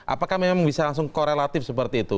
apakah memang bisa langsung korelatif seperti itu